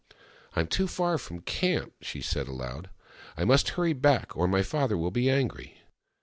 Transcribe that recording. " I am too far from camp," she said aloud. " I must hurry back, or my father will be angry."